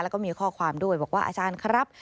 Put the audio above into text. แล้วก็มีข้อความด้วยบอกว่าอาจารย์ครับ